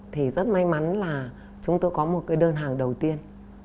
thì rất may mắn là chúng tôi có một cái đơn hàng đầu tiên